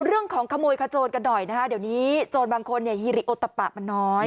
เรื่องของขโมยขโจนกันหน่อยนะคะเดี๋ยวนี้โจรบางคนเนี่ยฮิริโอตะปะมันน้อย